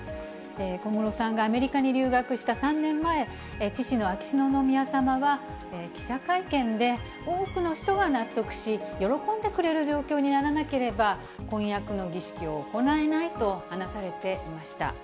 小室さんがアメリカに留学した３年前、父の秋篠宮さまは記者会見で、多くの人が納得し、喜んでくれる状況にならなければ、婚約の儀式を行えないと話されていました。